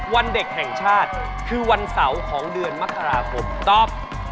วันเด็กแห่งชาติคือวันเสาร์ของเดือนมกราคมตอบ